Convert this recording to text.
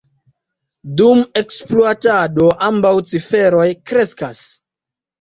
Dum ekspluatado ambaŭ ciferoj kreskas.